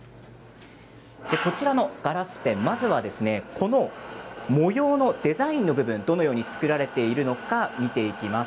こちらのガラスペン、まずは模様のデザインの部分どのように作られているのか見ていきます。